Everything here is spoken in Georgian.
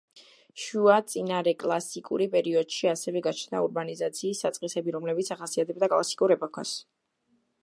შუა წინარეკლასიკურ პერიოდში ასევე გაჩნდა ურბანიზაციის საწყისები, რომლებიც ახასიათებდა კლასიკურ ეპოქას.